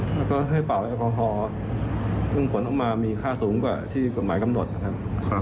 แล้วก็ให้เป่าแอลกอฮอล์ซึ่งผลออกมามีค่าสูงกว่าที่กฎหมายกำหนดนะครับ